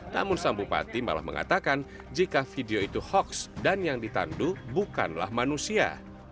namun sang bupati malah mengatakan jika video itu hoaks dan yang ditandu bukanlah manusia